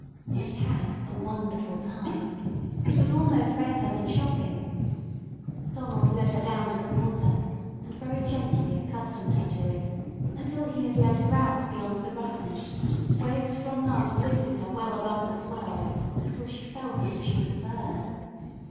They had a wonderful time. It was almost better than shopping. Donald led her down to the water, and very gently accustomed her to it until he had led her out beyond the roughness, where his strong arms lifted her well above the swells until she felt as if she was a bird.